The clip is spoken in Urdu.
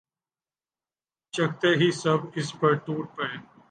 چکھتے ہی سب اس پر ٹوٹ پڑے